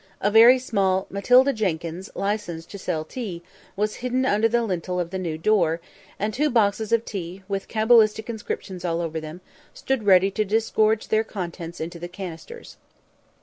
A very small "Matilda Jenkyns, licensed to sell tea," was hidden under the lintel of the new door, and two boxes of tea, with cabalistic inscriptions all over them, stood ready to disgorge their contents into the canisters.